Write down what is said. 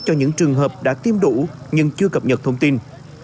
cho những trường hợp đã tiêm đủ nhưng chưa cập nhật thông tin